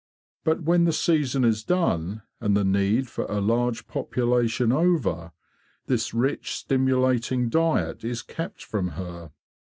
But when the season is done, and the need for a large population over, this rich stimulating diet is kept from her.